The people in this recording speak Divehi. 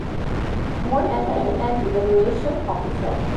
މޮނީޓަރިންގ އެންޑް އިވެލުއޭޝަން އޮފިސަރ